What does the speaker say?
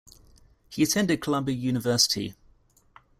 He attended Columbia University.